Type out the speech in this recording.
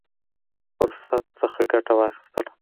فرصت څخه ګټه واخیستله.